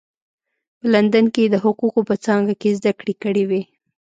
په لندن کې یې د حقوقو په څانګه کې زده کړې کړې وې.